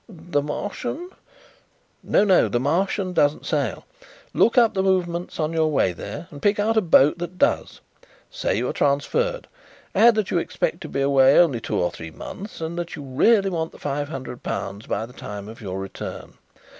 "The Martian?' "No, no; the Martian doesn't sail. Look up the movements on your way there and pick out a boat that does. Say you are transferred. Add that you expect to be away only two or three months and that you really want the five hundred pounds by the time of your return.